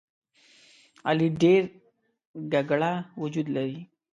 علي ډېر ګګړه وجود لري.